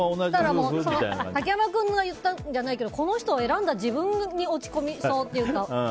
竹山君が言ったわけじゃないけどこの人を選んだ自分に落ち込みそう。